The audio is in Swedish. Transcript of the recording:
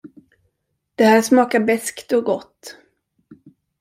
Det här smakar beskt och gott.